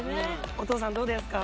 お父さんどうですか？